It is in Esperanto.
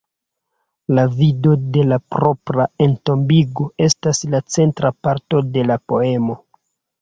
La vido de la propra entombigo, estas la centra parto de la poemo.